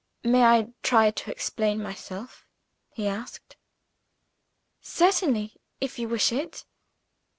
"May I try to explain myself?" he asked. "Certainly, if you wish it."